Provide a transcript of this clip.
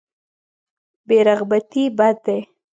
بې رغبتي بد دی.